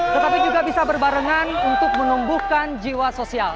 tetapi juga bisa berbarengan untuk menumbuhkan jiwa sosial